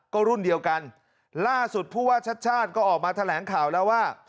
ก็รุ่นเดียวกันล่าสุดผู้ว่าชัดชาติก็ออกมาแถลงข่าวแล้วว่า